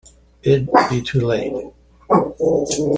It'd be too late.